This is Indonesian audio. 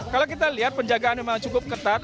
kalau kita lihat penjagaan memang cukup ketat